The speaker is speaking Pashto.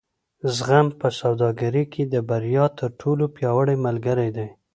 زغم په سوداګرۍ کې د بریا تر ټولو پیاوړی ملګری دی.